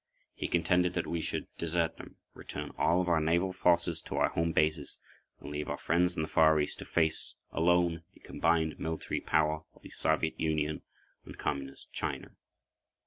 He contended that we should desert them, return all of our naval forces to our home bases, and leave our friends in the Far East to face, alone, the combined military power of the Soviet Union and Communist China.